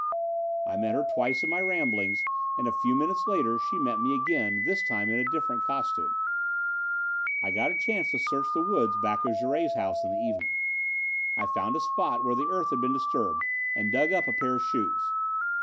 I met her twice in my ramblings and a few minutes later she met me again, this time in a different costume. "I got a chance to search the woods back of Jouret's house in the evening. I found a spot where the earth had been disturbed, and dug up a pair of shoes.